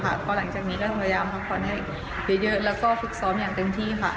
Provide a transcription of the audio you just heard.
เพราะหลังจากนี้ก็พยายามพักผ่อนให้เยอะแล้วก็ฝึกซ้อมอย่างเต็มที่ค่ะ